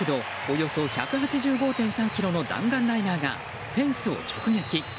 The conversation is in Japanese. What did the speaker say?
およそ１８５．３キロの弾丸ライナーがフェンスを直撃。